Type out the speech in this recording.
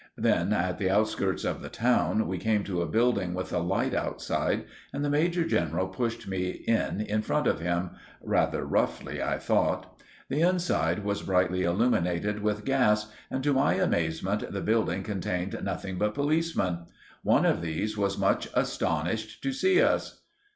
Then, at the outskirts of the town, we came to a building with a light outside, and the major general pushed me in in front of him—rather roughly, I thought. The inside was brightly illuminated with gas and, to my amazement, the building contained nothing but policemen. One of these was much astonished to see us.